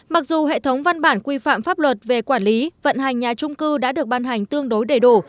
mặc dù hệ thống văn bản quy phạm pháp luật về quản lý vận hành nhà trung cư đã được ban hành tương đối đầy đủ